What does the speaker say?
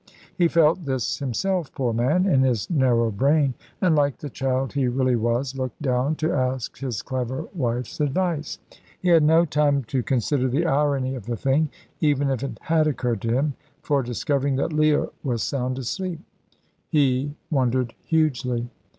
He felt this himself, poor man, in his narrow brain; and like the child he really was, looked down to ask his clever wife's advice. He had no time to consider the irony of the thing, even if it had occurred to him, for discovering that Leah was sound asleep, he wondered hugely.